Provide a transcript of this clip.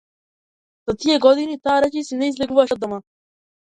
За сите тие години, таа речиси не излегуваше од дома.